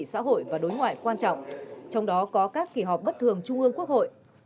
xã hội và đối ngoại quan trọng trong đó có các kỳ họp bất thường trung ương quốc hội